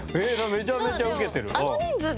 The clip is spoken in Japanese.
めちゃめちゃウケてる。